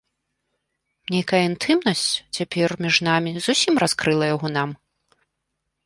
Нейкая інтымнасць цяпер між намі зусім раскрыла яго нам.